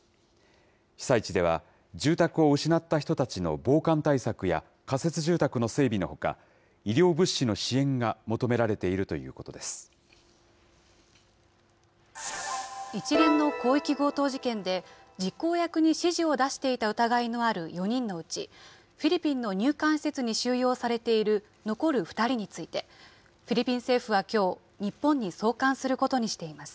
被災地では、住宅を失った人たちの防寒対策や、仮設住宅の整備のほか、医療物資の支援が求められているというこ一連の広域強盗事件で、実行役に指示を出していた疑いのある４人のうち、フィリピンの入管施設に収容されている残る２人について、フィリピン政府はきょう、日本に送還することにしています。